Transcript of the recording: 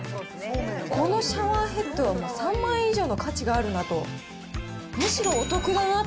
このシャワーヘッドは３万円以上の価値があるなと。